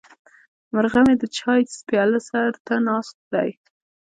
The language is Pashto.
مرغه مې د چای پیاله سر ته ناست دی.